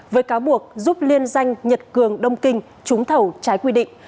với cáo buộc giúp liên danh nhật cường đông kinh trúng thầu trái quy định